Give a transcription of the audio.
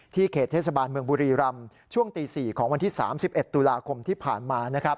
เขตเทศบาลเมืองบุรีรำช่วงตี๔ของวันที่๓๑ตุลาคมที่ผ่านมา